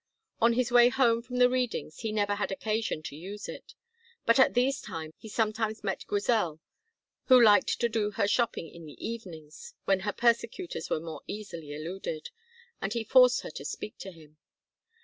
On his way home from the readings he never had occasion to use it, but at these times he sometimes met Grizel, who liked to do her shopping in the evenings when her persecutors were more easily eluded, and he forced her to speak to him.